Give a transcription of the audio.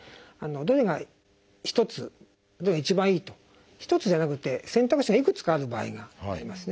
どれが一つが一番いいと一つじゃなくて選択肢がいくつかある場合がありますね。